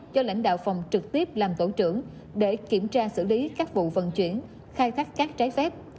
cho lãnh đạo phòng trực tiếp làm tổ trưởng để kiểm tra xử lý các vụ vận chuyển khai thác cát trái phép